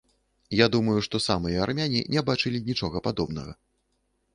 Я думаю, што самыя армяне не бачылі нічога падобнага.